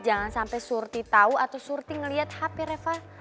jangan sampai surti tahu atau surti ngeliat hp reva